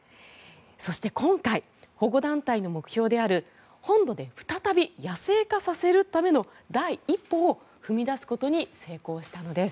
そして、今回保護団体の目標である本土で再び野生化させるための第一歩を踏み出すことに成功したのです。